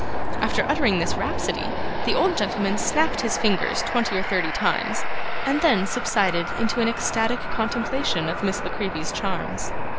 After uttering this rhapsody, the old gentleman snapped his fingers twenty or thirty times, and then subsided into an ecstatic contemplation of Miss La Creevy's charms.